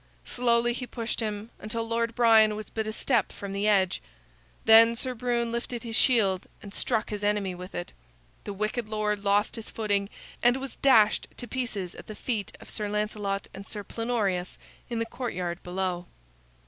Slowly he pushed him, until Lord Brian was but a step from the edge. Then Sir Brune lifted his shield and struck his enemy with it. The wicked lord lost his footing, and was dashed to pieces at the feet of Sir Lancelot and Sir Plenorius in the courtyard below.